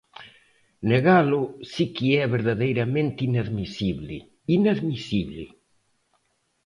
Negalo si que é verdadeiramente inadmisible, inadmisible.